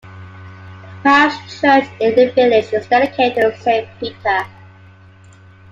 The parish church, in the village, is dedicated to Saint Peter.